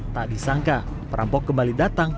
tak disangka perampok kembali datang